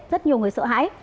rất nhiều người sợ hãi